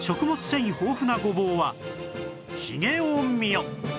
繊維豊富なごぼうはひげを見よ！